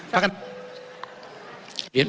ประกัน